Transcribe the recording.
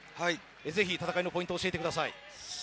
ぜひ、戦いのポイントを教えてください。